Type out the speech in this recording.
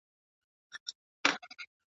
د وطن پر جګو غرو نو د اسیا د کور ښاغلی ,